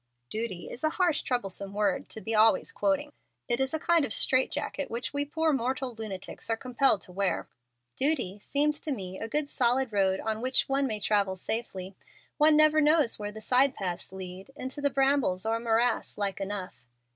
"'Duty' is a harsh, troublesome word to be always quoting. It is a kind of strait jacket which we poor moral lunatics are compelled to wear." "'Duty' seems to me a good solid road on which one may travel safely. One never knows where the side paths lead: into the brambles or a morass like enough."